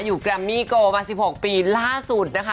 แกรมมี่โกมา๑๖ปีล่าสุดนะคะ